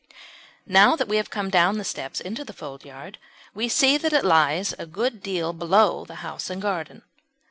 Now that we have come down the steps into the foldyard we see that it lies a good deal below the house and garden.